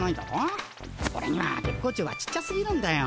オレには月光町はちっちゃすぎなんだよ。